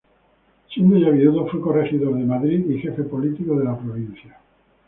Siendo ya viudo, fue corregidor de Madrid y jefe político de la provincia.